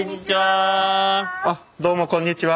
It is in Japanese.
あっどうもこんにちは。